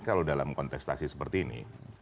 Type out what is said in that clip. kalau dalam kontestasi seperti ini